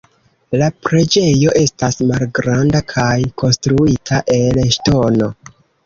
La preĝejo estas malgranda kaj konstruita el ŝtono.